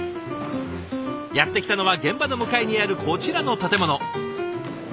やって来たのは現場の向かいにあるこちらの建物。